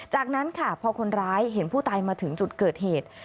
จากนั้นค่ะพอคนร้ายเห็นผู้ตายมาถึงจุดเกิดเหตุ